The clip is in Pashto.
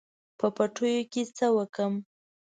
په پټیو کې څه وکړم.